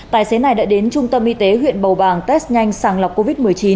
tài xế này đã đến trung tâm y tế huyện bầu bàng test nhanh sàng lọc covid một mươi chín